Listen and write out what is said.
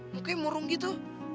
mukanya murung gitu